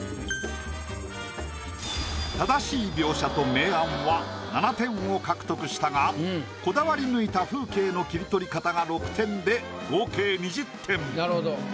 正しい描写と明暗は７点を獲得したがこだわり抜いた風景の切り取り方が６点で合計２０点。